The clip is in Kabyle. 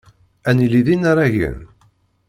Ad nili d inaragen.